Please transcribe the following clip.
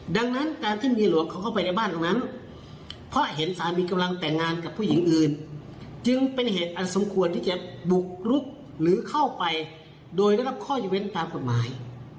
ดังนั้นการที่เมียหลวงเขาเข้าไปในบ้านตรงนั้นเพราะเห็นสามีกำลังแต่งงานกับผู้หญิงอื่นจึงเป็นเหตุอันสมควรที่จะบุกรุกหรือเข้าไปโดยได้รับข้อยกเว้นตามกฎหมาย